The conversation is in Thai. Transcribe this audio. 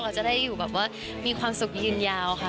เราจะได้อยู่แบบว่ามีความสุขยืนยาวค่ะ